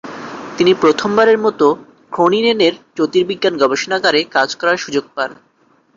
তিনি প্রথম বারের মত খ্রোনিঙেনের জ্যোতির্বিজ্ঞান গবেষণাগারে কাজ করার সুযোগ পান।